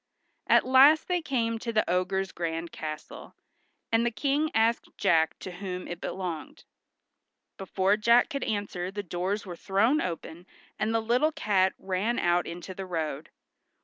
At last they came to the ogre's grand castle, and the King asked Jack to whom it belonged. Before Jack could answer the doors were thrown open, and the little cat ran out into the road.